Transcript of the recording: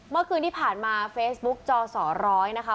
เมื่อคืนที่ผ่านมาเฟซบุ๊กจอสอร้อยนะคะ